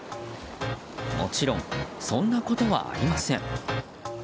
もちろんそんなことはありません。